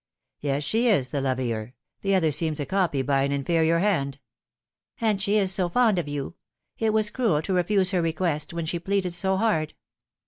" Yes, she is the lovelier. The other seems a copy by an yiferior hand." " And she is so fond of you. It was cruel to refuse her request, when she pleaded so hard."